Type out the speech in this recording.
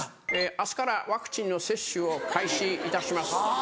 「明日からワクチンの接種を開始いたします。